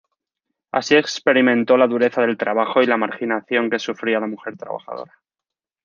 Así experimentó la dureza del trabajo y la marginación que sufría la mujer trabajadora.